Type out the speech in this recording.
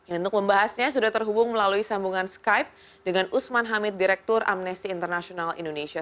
untuk membahasnya sudah terhubung melalui sambungan skype dengan usman hamid direktur amnesty international indonesia